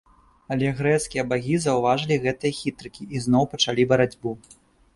Але грэцкія багі заўважылі гэтыя хітрыкі і зноў пачалі барацьбу.